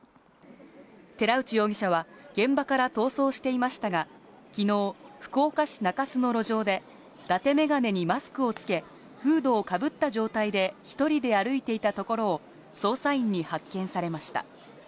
寺内容疑者は現場から逃走していましたが、昨日、福岡市中洲の路上で、だてメガネにマスクをつけ、フードをかぶった状態で１人で歩いていたところを捜査員に発見されました。